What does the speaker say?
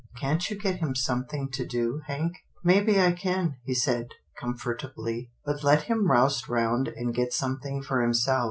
Can't you get him something to do. Hank? "" Maybe I can," he said, comfortably, " but let him rouse round and get something for himself.